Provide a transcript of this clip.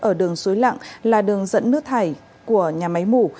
ở đường suối lặng là đường dẫn nước thải của nhà máy mủ